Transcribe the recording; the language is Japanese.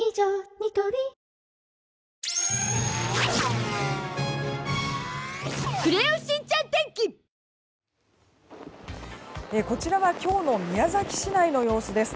ニトリこちらは今日の宮崎市内の様子です。